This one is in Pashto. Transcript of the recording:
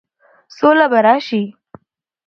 سوله به راشي،